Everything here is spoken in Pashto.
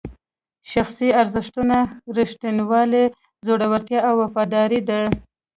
شخصي ارزښتونه ریښتینولي، زړورتیا او وفاداري دي.